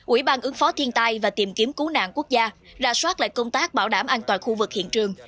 ủy ban ứng phó thiên tai và tìm kiếm cứu nạn quốc gia ra soát lại công tác bảo đảm an toàn khu vực hiện trường